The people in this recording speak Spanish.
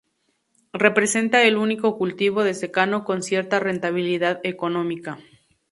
Representa el único cultivo de secano con cierta rentabilidad económica.